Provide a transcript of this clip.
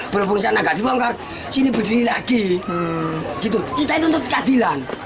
berhubung sana gak dibongkar sini berdiri lagi kita ini untuk keadilan